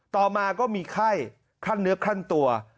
ต่อมาก็มีไข้คลั่นเนื้อคลั่นตัว